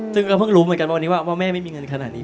ซึ่งก็เพิ่งรู้เหมือนกันว่าวันนี้ว่าแม่ไม่มีเงินขนาดนี้